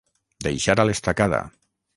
Deixar a l'estacada.